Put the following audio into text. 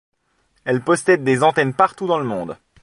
Elle possède des antennes partout dans le monde.